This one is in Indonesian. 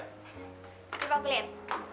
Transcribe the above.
coba aku lihat